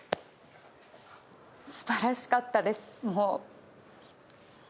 素晴らしかったですもう。